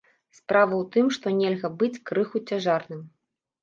Справа ў тым, што нельга быць крыху цяжарным.